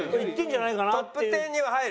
トップ１０には入る？